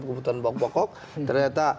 kebutuhan pokok pokok ternyata